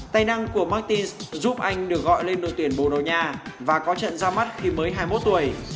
tài năng của martins giúp anh được gọi lên đội tuyển borogna và có trận ra mắt khi mới hai mươi một tuổi